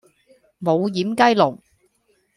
冇厴雞籠